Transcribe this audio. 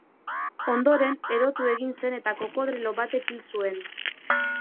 Ondoren, erotu egin zen eta krokodilo batek hil zuen.